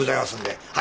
はい。